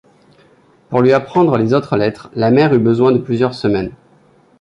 Pour lui apprendre les autres lettres, la mère eut besoin de plusieurs semaines.